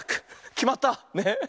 きまった。ね。